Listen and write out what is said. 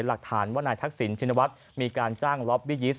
หลักฐานว่านายทักษิณชินวัฒน์มีการจ้างล็อบบี้ยิส